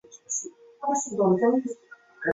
凤凰城水星篮球队。